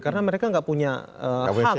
karena mereka nggak punya hak